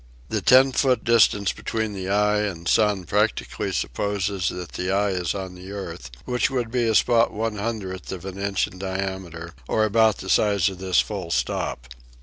The ten foot distance between eye and Sun practically supposes that the eye is on the Earth, which would be a spot one hun dredth of an inch in diameter, or about the size of this full stop.